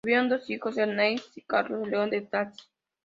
Tuvieron dos hijos: Ernestina y Carlos León Thays.